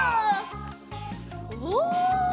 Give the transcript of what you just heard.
お！